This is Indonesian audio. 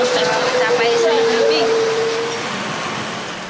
sampai di sana